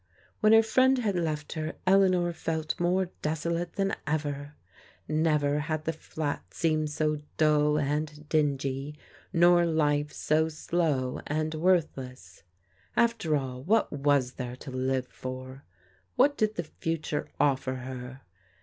When her friend had left her, Eleanor felt more deso late than ever. Never had the flat seemed so dull and dingy, nor life so slow and worthless. After all, what was there to live for? What did the future offer her?